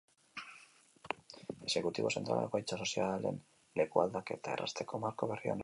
Exekutibo zentralak egoitza sozialen lekualdaketa errazteko marko berria onartu du gaur.